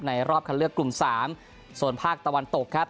รอบคันเลือกกลุ่ม๓ส่วนภาคตะวันตกครับ